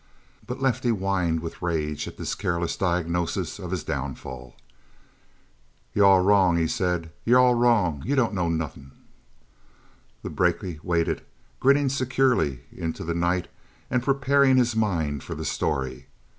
But Lefty whined with rage at this careless diagnosis of his downfall. "You're all wrong," he said. "You're all wrong. You don't know nothin'." The brakie waited, grinning securely into the night, and preparing his mind for the story.